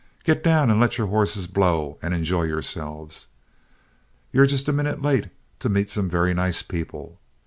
Get down and let your horses blow and enjoy yourselves. You're just a minute late to meet some very nice people.